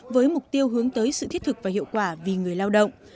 với mục tiêu hướng tới sự thiết thực và hiệu quả vì người lao động